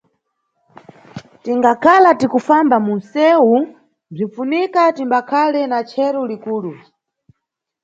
Tingakhala tikufamba munʼsewu bzinʼfunika timbakhale na chero likulu.